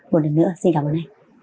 một lần nữa xin cảm ơn anh